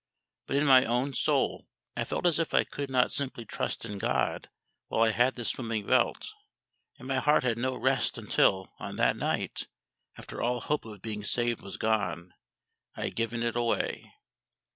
But in my own soul I felt as if I could not simply trust in GOD while I had this swimming belt; and my heart had no rest until on that night, after all hope of being saved was gone, I had given it away.